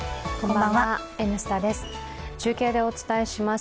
中継でお伝えします。